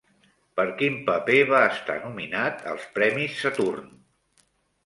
Per quin paper va estar nominat als premis Saturn?